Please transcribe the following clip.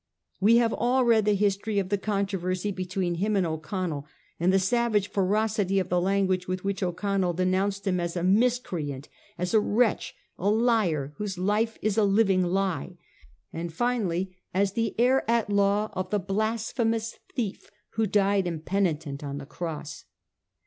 We have all read the history of the con troversy between him and O'Connell, and the savage ferocity of the language with which O'Connell de nounced him as c a miscreant,' as ' a wretch,' 1 a liar,' ' whose life is a living lie' ; and finally as ' the heir at law of the blasphemous thief who died impenitent on the Cross.